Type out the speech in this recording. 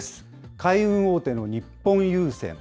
海運大手の日本郵船。